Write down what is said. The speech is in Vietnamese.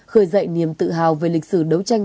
khởi dậy niềm tự hào về lịch sử đấu tranh